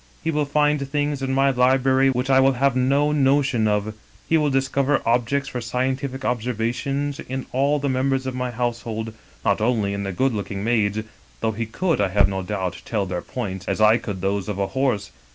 He will find things in my library which I have no notion of. He will dis cover objects for scientific observation in all the members of my household, not only in the good looking maids — though he could, I have no doubt, tell their points as I could those of a horse.